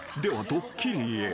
ドッキリへ。